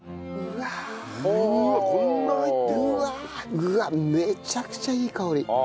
うわっめちゃくちゃいい香り。